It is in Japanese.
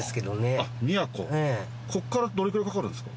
ここからどれくらいかかるんですか？